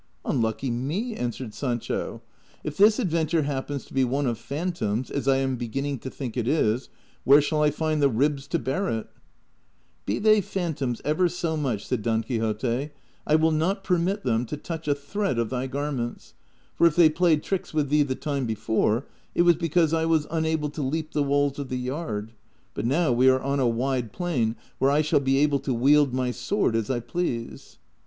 ^' Unlucky me !" answered Sancho ;" if this adventure hap pens to be one of phantoms, as I am beginning to think it is, where shall I find the ribs to bear it ?"" Be they phantonis ever so much," said Don Quixote, " I will not permit them to touch a thread of thy garments ; for if they played tricks with thee the time before, it was because I was unable to leap the walls of the yard ; but now we are on a wide plain, where I shall be able to wield my sword as I please."